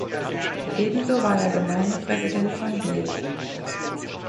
Ebenso war er Gemeindepräsident von Biel.